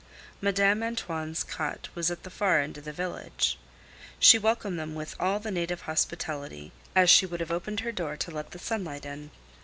Madame Antoine's cot was at the far end of the village. She welcomed them with all the native hospitality, as she would have opened her door to let the sunlight in.